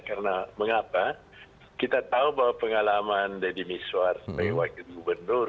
karena mengapa kita tahu bahwa pengalaman dini miswa sebagai wakil gubernur